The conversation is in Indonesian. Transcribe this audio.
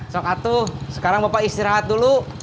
sok atuh sekarang bapak istirahat dulu